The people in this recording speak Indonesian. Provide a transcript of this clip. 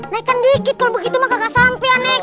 naikkan dikit kalau begitu mah gak sampe aneh